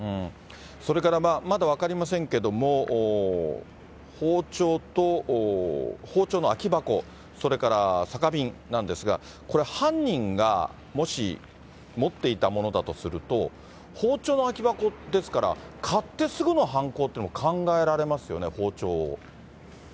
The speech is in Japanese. それからまだ分かりませんけれども、包丁の空き箱、それから酒瓶なんですが、犯人がもし持っていたものだとすると、包丁の空き箱ですから、買ってすぐの犯行というのも考えられますよね、包丁を。